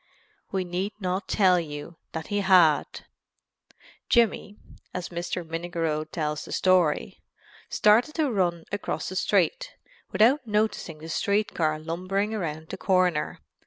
We need not tell you that he had. "Jimmy," as Mr. Minnigerode tells the story, "started to run across the street, without noticing the street car lumbering around the corner...